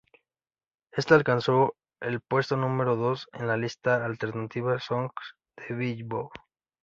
Esta alcanzó el puesto número dos en la lista Alternative Songs de "Billboard".